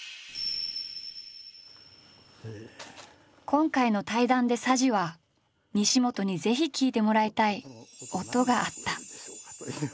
今回の対談で佐治は西本にぜひ聴いてもらいたい「音」があった。